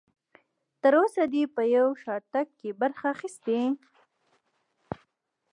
تر اوسه دې په یو شاتګ کې برخه اخیستې؟